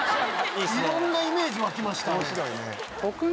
いろんなイメージ湧きましたね。